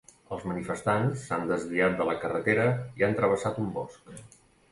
Els manifestants s'han desviat de la carretera i han travessat un bosc